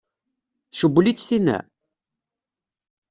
Tcewwel-itt tinna?